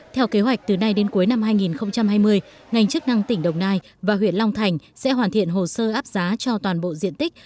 theo kế hoạch từ nay đến cuối năm hai nghìn hai mươi ngành chức năng tỉnh đồng nai và huyện long thành sẽ hoàn thiện hồ sơ áp giá cho toàn bộ diện tích